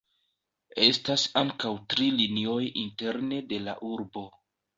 Estas ankaŭ tri linioj interne de la urbo.